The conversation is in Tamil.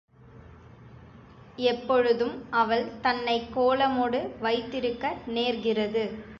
எப்பொழுதும் அவள் தன்னைக் கோலமொடு வைத்திருக்க நேர்கிறது.